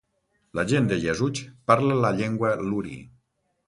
La gent de Yasuj parla la llengua Luri.